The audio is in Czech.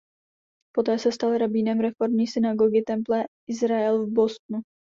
Poté se stal rabínem reformní synagogy "Temple Israel" v Bostonu.